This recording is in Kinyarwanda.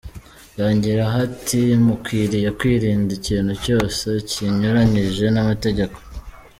Yongeraho ati “Mukwiriye kwirinda ikintu cyose kinyuranyije n’amategeko.